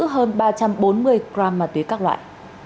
hơn ba trăm bốn mươi gram ma túy các loại